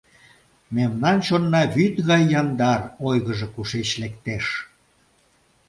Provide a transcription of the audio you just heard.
Мемнан чонна вӱд гай яндар, ойгыжо кушеч лектеш.